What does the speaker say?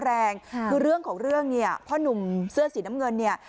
คือเรื่องของเรื่องเนี่ยพ่อนุ่มเสื้อสีน้ำเงินเนี่ย